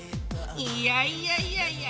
いやいやいやいや